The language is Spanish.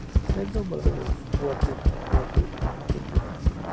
El nombre del Fuerte es "Fuerte de San Rafael del Diamante".